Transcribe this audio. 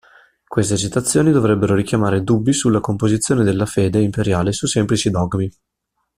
Queste citazioni dovrebbero richiamare dubbi sulla composizione della fede imperiale su semplici dogmi.